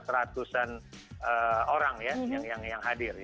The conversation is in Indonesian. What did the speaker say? jadi itu adalah keputusan orang yang hadir